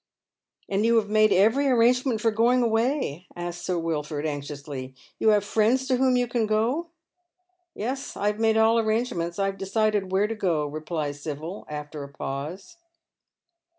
" And you have made every arrangement for going away ?" asks Sir Wilford, anxiously. " You have friends to whom you can go ?"" Yes, I have made all arrangements. I have decided where to go," replies Sibyl after a pause.